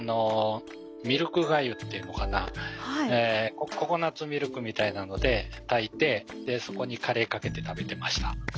ミルクがゆっていうのかなココナツミルクみたいなので炊いてそこにカレーかけて食べてました。